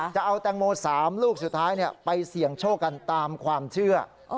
จะเอาแตงโม๓ลูกสุดท้ายไปเสี่ยงโชคกันตามความเชื่อ